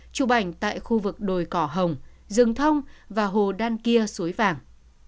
chụp ảnh tại khu vực đồi cỏ hồng rừng thông và hồ đan kia suối vàng